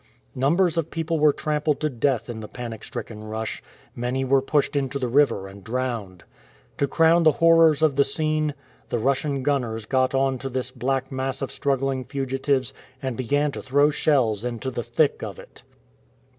Numbers of people were trampled to death in the panic stricken rush, many were pushed into the river and drowned. To crown the horrors of the scene, the Russian gunners got on to this black mass of struggling fugitives, and began to throw shells into the thick of it.